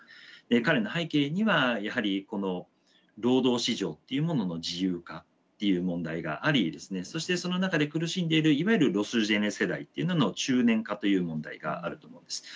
彼の背景にはやはり労働市場っていうものの自由化っていう問題がありそしてその中で苦しんでいるいわゆるロスジェネ世代っていうのの中年化という問題があると思います。